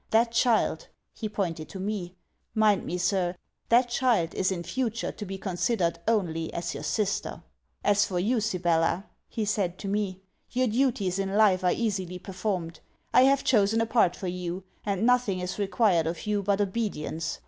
That child,' he pointed to me, 'mind me, sir, that child is in future to be considered only as your sister.' 'As for you, Sibella,' he said to me, 'your duties in life are easily performed. I have chosen a part for you: and nothing is required of you but obedience.